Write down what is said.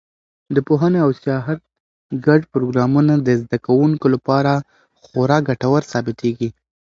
د پوهنې او سیاحت ګډ پروګرامونه د زده کوونکو لپاره خورا ګټور ثابتېږي.